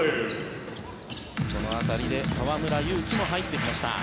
この辺りから河村勇輝も入ってきました。